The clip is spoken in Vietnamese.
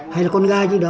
hay là con gai chứ đó